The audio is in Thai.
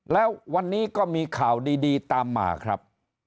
แล้ววันนี้ก็มีข่าวดีตามมาครับ